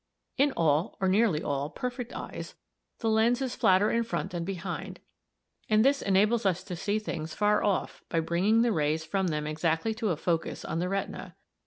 In all, or nearly all, perfect eyes the lens is flatter in front than behind, and this enables us to see things far off by bringing the rays from them exactly to a focus on the retina.